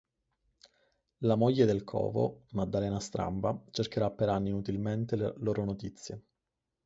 La moglie del Covo, Maddalena Stramba, cercherà per anni inutilmente loro notizie.